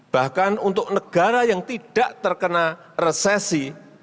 bahkan untuk negara yang tidak terkena resesi